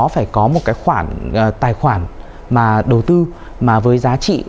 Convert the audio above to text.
phải có một cái khoản tài khoản mà đầu tư mà với giá trị